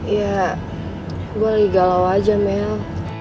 ya gue lagi galau aja mel